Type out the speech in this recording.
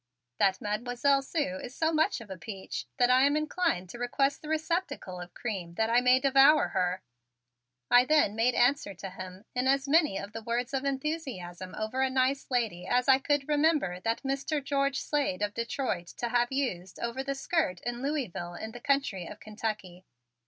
"That Mademoiselle Sue is so much of a peach that I am inclined to request the receptacle of cream that I may devour her," I then made answer to him in as many of the words of enthusiasm over a nice lady as I could remember that Mr. George Slade of Detroit to have used over the "skirt" in Louisville in the Country of Kentucky.